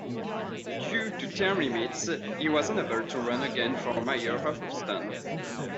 Due to term limits, he was unable to run again for mayor of Houston.